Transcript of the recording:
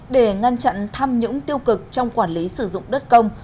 để ngăn chặn tham nhũng tiêu cực trong quản lý sử dụng đất công